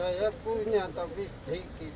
saya punya tapi sedikit